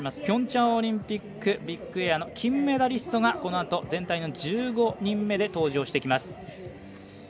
ピョンチャンオリンピックビッグエアの金メダリストが１５人目で登場してきます。